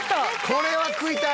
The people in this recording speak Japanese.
これは食いたい！